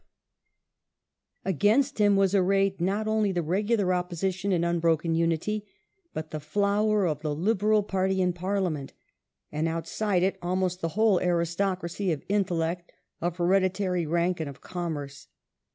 TheOppo Against him was arrayed not only the regular Opposition in sition unbroken unity, but the flower of the Liberal Party in Parliament, and outside it, almost the whole aristocracy of intellect, of heredi tary rank, and of commerce.